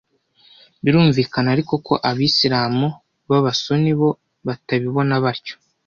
Birumvikana ariko ko Abisilamu b’Abasuni bo batabibona batyo